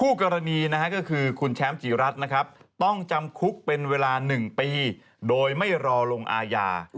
คู่กรณีนะฮะก็คือคุณแชมป์จีรัฐนะครับต้องจำคุกเป็นเวลา๑ปีโดยไม่รอลงอาญา